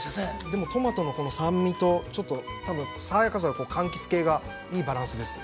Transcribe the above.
でも、トマトのこの酸味とちょっと、多分爽やかさが、かんきつ系がいいバランスです。